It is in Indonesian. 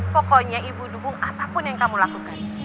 pokoknya ibu dukung apapun yang kamu lakukan